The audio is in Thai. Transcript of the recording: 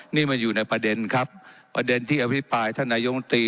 นี่มันอยู่ในประเด็นครับประเด็นที่อภิปรายท่านนายมตรี